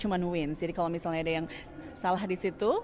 cuman winds jadi kalau misalnya ada yang salah disitu